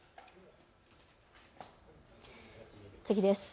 次です。